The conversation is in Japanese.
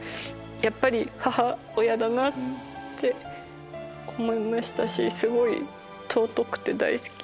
やっぱり母親だなって思いましたしすごい。